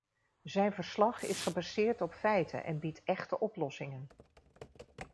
Zijn verslag is gebaseerd op feiten en biedt echte oplossingen.